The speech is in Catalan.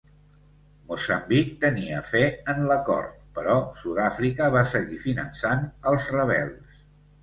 Moçambic tenia fe en l'acord però Sud-àfrica va seguir finançant als rebels.